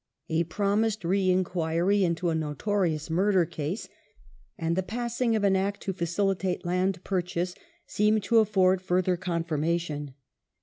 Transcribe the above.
A promised re enquiry into a notorious murder case ' and the passing of an Act to facilitate land purchase seemed to afford fui ther confirmation.